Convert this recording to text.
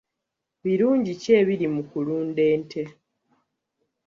Birungi ki ebimu ebiri mu kulunda ente?